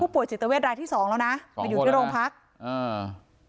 ป่วยจิตเวทรายที่สองแล้วนะมาอยู่ที่โรงพักอ่า